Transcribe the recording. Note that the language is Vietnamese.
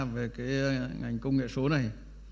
về cái ngành công nghệ số này